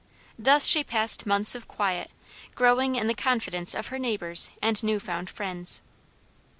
Thus she passed months of quiet, growing in the confidence of her neighbors and new found friends.